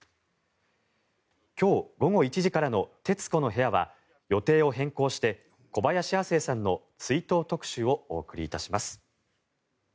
今日午後１時からの「徹子の部屋」は予定を変更して小林亜星さんの追悼特集をお送りいたします。